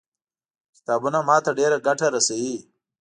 کتابونه ما ته ډېره ګټه رسوي.